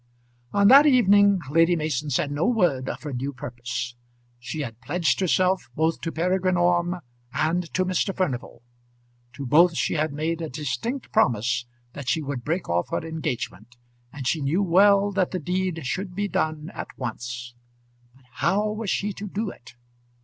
On that evening Lady Mason said no word of her new purpose. She had pledged herself both to Peregrine Orme and to Mr. Furnival. To both she had made a distinct promise that she would break off her engagement, and she knew well that the deed should be done at once. But how was she to do it?